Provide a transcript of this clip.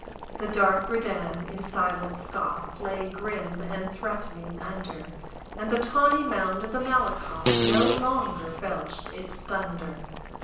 The dark Redan, in silent scoff, Lay, grim and threatening, under; And the tawny mound of the Malakoff No longer belched its thunder.